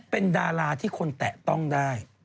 เป็นดาราที่คนแตะต้องได้